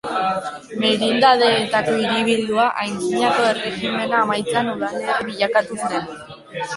Merindadeetako hiribildua, Antzinako Erregimena amaitzean udalerri bilakatu zen.